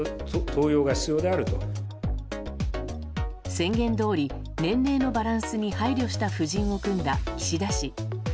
宣言どおり年齢のバランスに配慮した布陣を組んだ岸田氏。